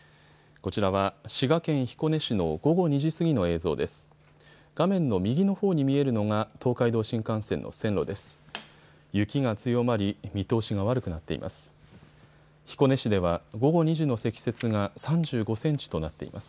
こちらは滋賀県彦根市の午後２時過ぎの映像です。